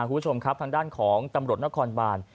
คุณผู้ชมครับทางด้านของตำรวจนครบาน